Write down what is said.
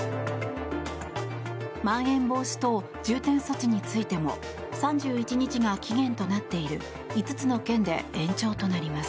まん延防止等重点措置についても３１日が期限となっている５つの県で延長となります。